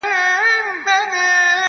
• ځلېدونکي د بلوړ ټوټې لوېدلي -